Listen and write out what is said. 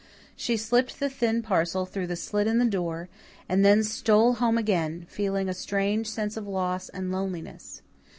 She slipped the thin parcel through the slit in the door, and then stole home again, feeling a strange sense of loss and loneliness.